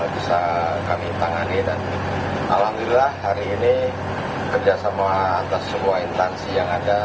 bisa kami tangani dan alhamdulillah hari ini kerjasama antara semua intansi yang ada